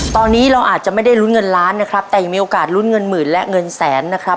ตอนนี้เราอาจจะไม่ได้ลุ้นเงินล้านนะครับแต่ยังมีโอกาสลุ้นเงินหมื่นและเงินแสนนะครับ